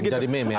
jadi meme ya